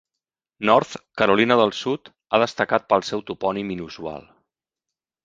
North, Carolina del Sud, ha destacat pel seu topònim inusual.